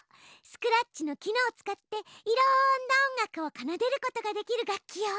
スクラッチの機能を使っていろんな音楽をかなでることができる楽器よ。